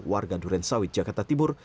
warga durensawit jakarta timur